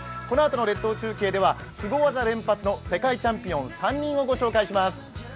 このあとの列島中継ではスゴ技連発の世界チャンピオン３人をご紹介します。